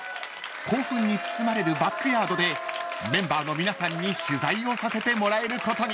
興奮に包まれるバックヤードでメンバーの皆さんに取材をさせてもらえることに］